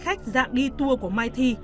khách dạng đi tour của mai thi